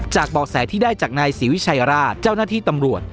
บอกแสที่ได้จากนายศรีวิชัยราชเจ้าหน้าที่ตำรวจ